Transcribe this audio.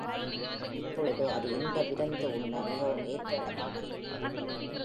இப்பொழுது அது இன்ப விருந்து உண்ண மிகவும் ஏற்ற இடமாக விளங்குகிறது.